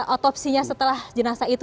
otopsinya setelah jenazah itu